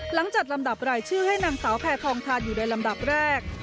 จัดลำดับรายชื่อให้นางสาวแพทองทานอยู่ในลำดับแรก